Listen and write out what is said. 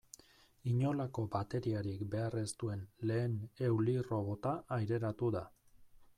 Inolako bateriarik behar ez duen lehen eulirrobota aireratu da.